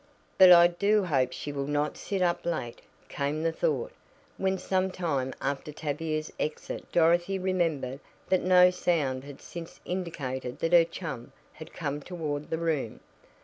"But I do hope she will not sit up late," came the thought, when some time after Tavia's exit Dorothy remembered that no sound had since indicated that her chum had come toward the room.